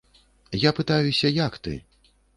Я пытаюся, як ты?